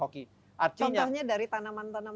hoki artinya contohnya dari tanaman tanam